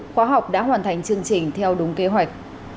khóa học đã hoàn thành chương trình theo đúng kế hoạch